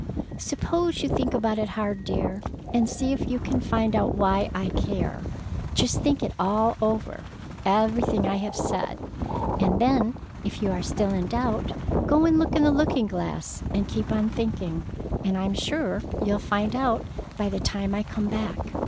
"Suppose you think about it hard, dear, and see if you can find out why I care. Just think it all over, everything I have said, and then if you are still in doubt go and look in the looking glass and keep on thinking, and I'm sure you'll find out by the time I come back.